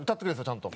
ちゃんと。